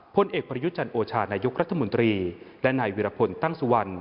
พลเอกประยุจันโอชานายกรัฐมนตรีและนายวิรพลตั้งสุวรรณ